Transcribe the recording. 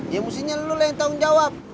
ya mestinya lo lah yang tanggung jawab